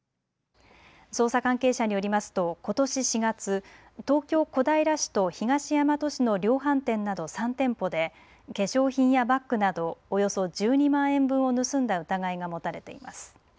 捜査関係者によりますとことし４月、東京小平市と東大和市の量販店など３店舗で化粧品やバッグなどおよそ１２万円分を盗んだ疑いが持たれています。